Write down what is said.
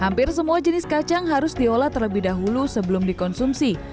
hampir semua jenis kacang harus diolah terlebih dahulu sebelum dikonsumsi